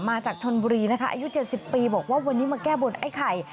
มาจากชนบุรีนะคะอายุ๗๐ปีบอกว่าวันนี้มาแก้บนไอ้ไข่